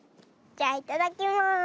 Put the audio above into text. じゃいただきます。